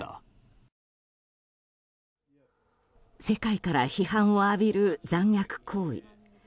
世界から批判を浴びる残虐行為。